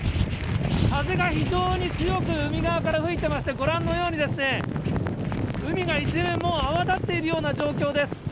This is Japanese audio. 風が非常に強く、海側から吹いてまして、ご覧のように、海が一面、もう泡立っているような状況です。